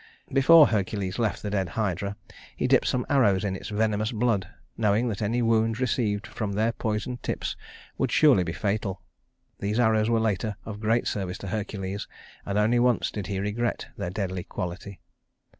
Before Hercules left the dead Hydra he dipped some arrows in its venomous blood, knowing that any wound received from their poisoned tips would surely be fatal. These arrows were later of great service to Hercules, and only once did he regret their deadly quality.